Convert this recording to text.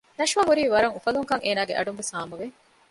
ނަޝްވާ ހުރީ ވަރަށް އުފަލުންކަން އޭނާގެ އަޑުންވެސް ހާމަވެ